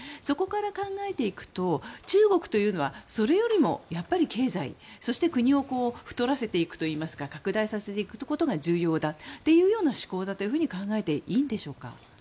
そこから考えていくと中国というのはそれよりも、経済そして国を太らせていくといいますか拡大させていくことが重要だというような思考だと考えていいんでしょうか？